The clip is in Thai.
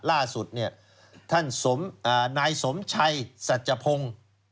ล่าสุดนายสมชัยสัจจพง